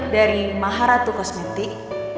dari maharatu kosmetik